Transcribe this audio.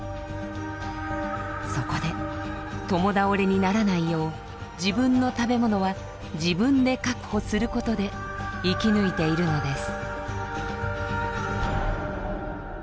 そこで共倒れにならないよう自分の食べ物は自分で確保することで生き抜いているのです。